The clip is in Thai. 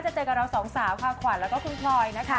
เจอกับเราสองสาวค่ะขวัญแล้วก็คุณพลอยนะคะ